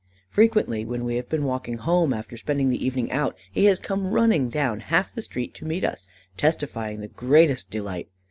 Frequently, when we have been walking home, after spending the evening out, he has come running down half the street to meet us, testifying the greatest delight.